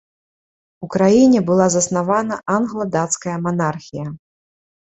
У краіне была заснавана англа-дацкая манархія.